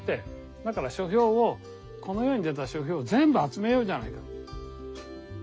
だから書評をこの世に出た書評を全部集めようじゃないか。